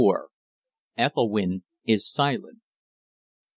ETHELWYNN IS SILENT.